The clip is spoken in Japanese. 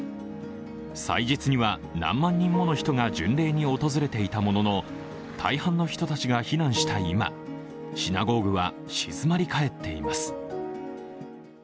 祭日には何万人もの人が巡礼に訪れていたものの大半の人たちが避難した今、シナゴーグは静まりかえっています。